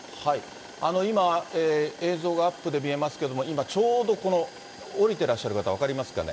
今、映像がアップで見えますけれども、今、ちょうどこの降りてらっしゃる方、分かりますかね。